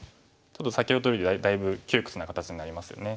ちょっと先ほどよりだいぶ窮屈な形になりますよね。